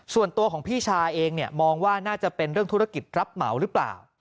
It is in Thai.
ส่วนตัวของพี่ชายเองเนี่ยมองว่าน่าจะเป็นเรื่องธุรกิจรับเหมาหรือเปล่า